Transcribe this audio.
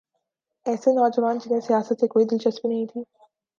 ایسے نوجوان جنہیں سیاست سے کوئی دلچسپی نہیں تھی۔